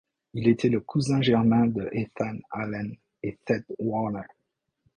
Il était le cousin germain de Ethan Allen et Seth Warner.